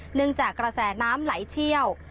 หนึ่งจากกระแสน้ำไหลเชี่ยว